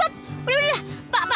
stop stop stop udah udah udah pak pa